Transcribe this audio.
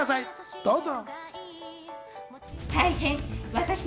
どうぞ。